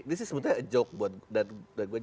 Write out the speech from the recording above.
ini sih sebetulnya joke buat gue